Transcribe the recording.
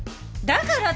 「だから？」